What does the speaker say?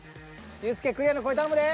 ユースケクリアの声頼むで。